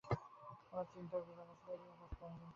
ওর চিন্তা বিড়াল নিয়ে, তাই বিড়াল খুঁজতে হবে।